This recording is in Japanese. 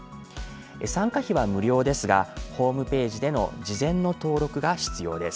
参加費は無料ですがホームページでの事前の登録が必要です。